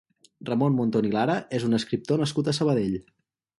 Ramon Monton i Lara és un escriptor nascut a Sabadell.